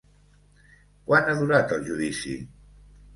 Quant ha durat el judici?